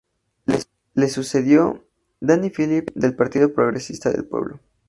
Le sucedió Danny Philip del Partido Progresista del Pueblo.